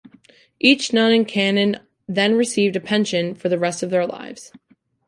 Each nun and canon then received a pension for the rest of their lives.